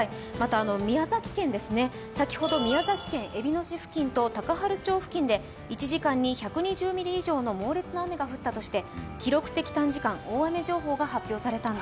宮崎県、先ほど宮崎県えびの市付近と高原町付近で１時間に１２０ミリ以上の猛烈な雨が降ったとして記録的短時間大雨情報が発表されました。